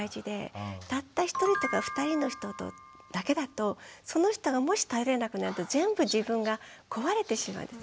たった１人とか２人の人だけだとその人がもし頼れなくなると全部自分が壊れてしまうんです。